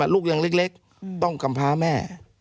ลูกยังเล็กต้องกำพาแม่